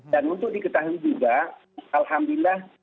dan untuk diketahui juga alhamdulillah